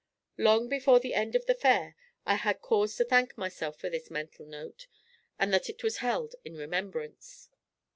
Long before the end of the Fair I had cause to thank myself for this mental note, and that it was held in remembrance.